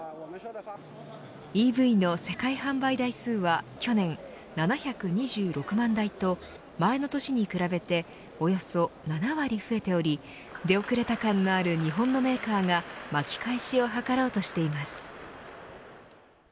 ＥＶの世界販売台数は去年の７２６万台と前の年に比べておよそ７割増えており出遅れた感のある日本のメーカーが巻き返しを図ろうとしています。